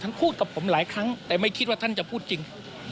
พูดกับผมหลายครั้งแต่ไม่คิดว่าท่านจะพูดจริง